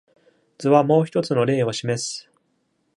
図はもう一つの例を示す。